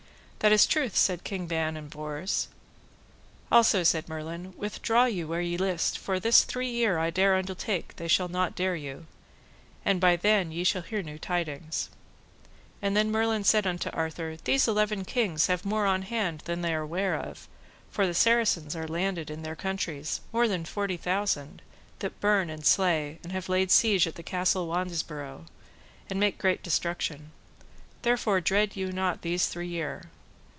That is truth, said King Ban and Bors. Also said Merlin, withdraw you where ye list, for this three year I dare undertake they shall not dere you; and by then ye shall hear new tidings. And then Merlin said unto Arthur, These eleven kings have more on hand than they are ware of, for the Saracens are landed in their countries, more than forty thousand, that burn and slay, and have laid siege at the castle Wandesborow, and make great destruction; therefore dread you not this three year.